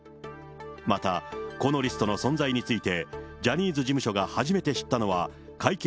また、このリストの存在について、ジャニーズ事務所が初めて知ったのは会見